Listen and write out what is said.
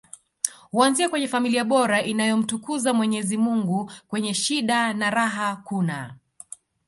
huanzia kwenye familia bora inayomtukuza mwenyezi mungu kwenye shida na raha kuna